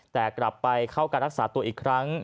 แต่กลับไปเข้าการรักษาตัวอีกครั้ง